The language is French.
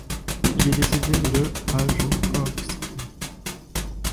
Il est décédé le à Joukovski.